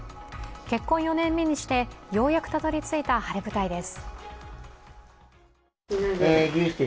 結婚４年目にして、ようやくたどり着いた晴れ舞台です。